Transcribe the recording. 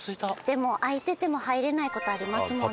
でも開いてても入れない事ありますもんね。